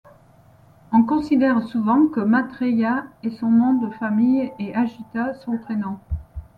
On considère souvent que Maitreya est son nom de famille et Ajita son prénom.